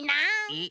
えっ？